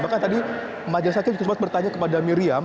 bahkan tadi majelis hakim juga sempat bertanya kepada miriam